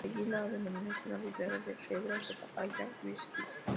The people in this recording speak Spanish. De ahí, la denominación abreviada de Reglas de La Haya—Visby.